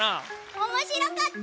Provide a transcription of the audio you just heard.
おもしろかった！